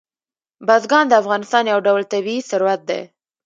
بزګان د افغانستان یو ډول طبعي ثروت دی.